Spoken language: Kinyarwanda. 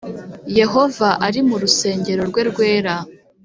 Yehova ari mu rusengero rwe rwera